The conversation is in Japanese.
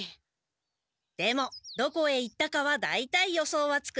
でもどこへ行ったかは大体予想はつく。